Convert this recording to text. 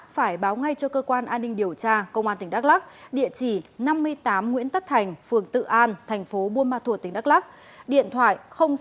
phải báo ngay cho cơ quan an ninh điều tra công an tỉnh đắk lắc địa chỉ năm mươi tám nguyễn tất thành phường tự an thành phố buôn mạ thuột tỉnh đắk lắc điện thoại sáu mươi chín bốn nghìn ba trăm tám mươi chín một trăm ba mươi ba